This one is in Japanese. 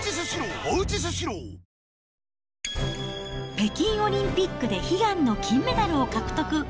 北京オリンピックで悲願の金メダルを獲得。